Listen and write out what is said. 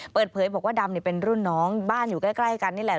เปิดเผยบอกว่าดำเป็นรุ่นน้องบ้านอยู่ใกล้กันนี่แหละ